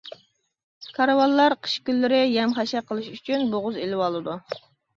كارۋانلار قىش كۈنلىرى يەم-خەشەك قىلىش ئۈچۈن بوغۇز ئېلىۋالىدۇ.